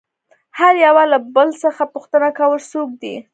هر يوه له بل څخه پوښتنه كوله څوك دى؟